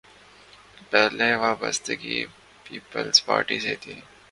پہلی وابستگی پیپلز پارٹی سے تھی۔